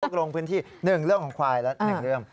พกลงพื้นที่หนึ่งเรื่องของควายละหนึ่งเรื่อง